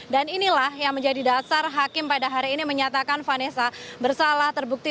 dan inilah yang menjadi dasar hakim pada hari ini menyatakan vanessa bersalah terbukti